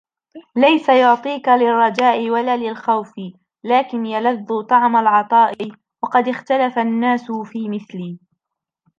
لَيْسَ يُعْطِيك لِلرَّجَاءِ وَلَا لِلْخَوْفِ لَكِنْ يَلَذُّ طَعْمَ الْعَطَاءِ وَقَدْ اخْتَلَفَ النَّاسُ فِي مِثْلِ